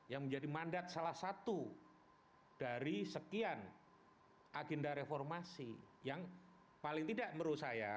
yang menjadi mandat salah satu dari sekian agenda reformasi yang paling tidak menurut saya